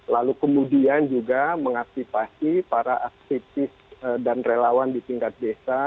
lalu kemudian juga mengaktifasi para aktivis dan relawan di tingkat desa